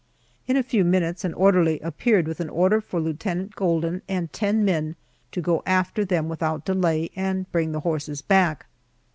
In a few minutes an orderly appeared with an order for Lieutenant Golden and ten men to go after them without delay, and bring the horses back.